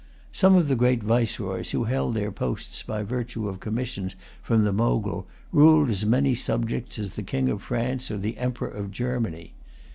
Some of the great viceroys who held their posts by virtue of commissions from the Mogul ruled as many subjects as the King of France or the Emperor of Germany.